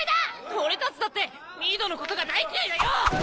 俺たちだってミードのことが大嫌いだよ！